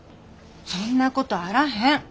そんなことあらへん。